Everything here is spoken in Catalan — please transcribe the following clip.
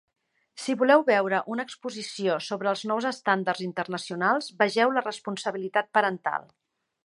Si voleu veure una exposició sobre els nous estàndards internacionals, vegeu la responsabilitat parental.